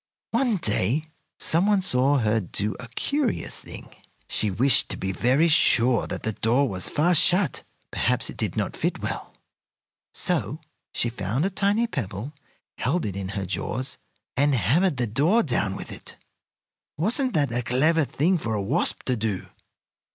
One day some one saw her do a curious thing. She wished to be very sure that the door was fast shut. Perhaps it did not fit well. So she found a tiny pebble, held it in her jaws, and hammered the door down with it. Wasn't that a clever thing for a wasp to do?